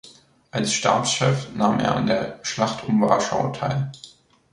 Als Stabschef nahm er an der Schlacht um Warschau teil.